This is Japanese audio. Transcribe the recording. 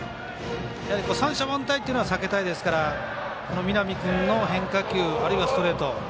三者凡退というのは避けたいですから、南君の変化球あるいはストレート。